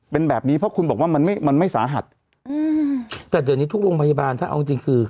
เป็นแบบนี้เพราะคุณบอกว่ามันไม่มันไม่สาหัสอืมแต่เดี๋ยวนี้ทุกโรงพยาบาลถ้าเอาจริงจริงคือ